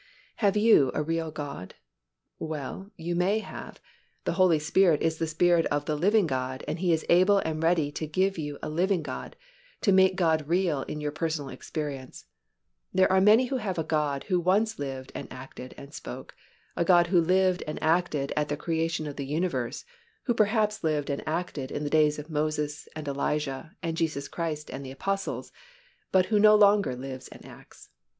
Have you a real God? Well, you may have. The Holy Spirit is the Spirit of the living God, and He is able and ready to give to you a living God, to make God real in your personal experience. There are many who have a God who once lived and acted and spoke, a God who lived and acted at the creation of the universe, who perhaps lived and acted in the days of Moses and Elijah and Jesus Christ and the Apostles, but who no longer lives and acts.